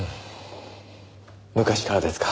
昔からですか。